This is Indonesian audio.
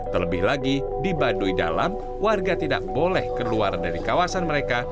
terlebih lagi di baduy dalam warga tidak boleh keluar dari kawasan mereka